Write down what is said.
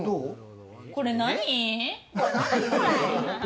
これ何？